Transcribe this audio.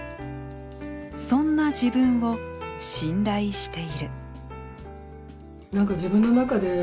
そんな自分を信頼している。